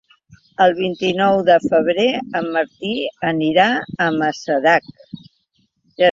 El vint-i-nou de febrer en Martí anirà a Masarac.